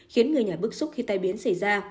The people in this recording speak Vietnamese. khiến người nhà bức xúc khi tai biến xảy ra